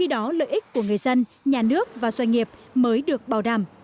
đó lợi ích của người dân nhà nước và doanh nghiệp mới được bảo đảm